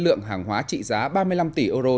lượng hàng hóa trị giá ba mươi năm tỷ euro